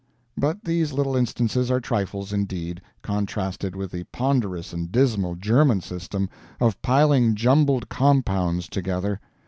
But these little instances are trifles indeed, contrasted with the ponderous and dismal German system of piling jumbled compounds together.